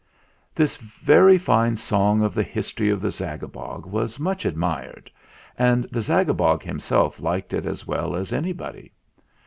This very fine song of the history of the Zag abog was much admired, and the Zagabog him self liked it as well as anybody.